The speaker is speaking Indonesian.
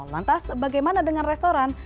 lantas bagaimana dengan restoran